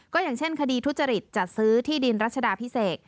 ก็อย่างเช่นคดีทุจริตจัดซื้อที่ดินรัชดาพิเศษ